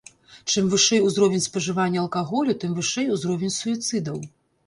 Чым вышэй узровень спажывання алкаголю, тым вышэй узровень суіцыдаў.